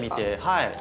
はい。